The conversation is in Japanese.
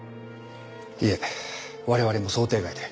いいえ我々も想定外で。